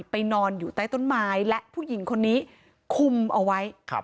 นอนอยู่ใต้ต้นไม้และผู้หญิงคนนี้คุมเอาไว้